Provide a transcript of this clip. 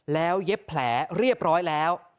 แล้วเย็บแผลเรียบร้อยแล้ว